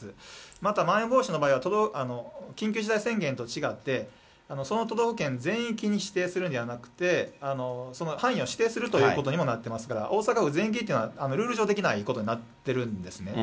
またまん延防止の場合は、緊急事態宣言と違って、その都道府県全域に指定するんではなくて、その範囲を指定するということにもなっていますから、大阪府全域というのはルール上できないことになってるんですね。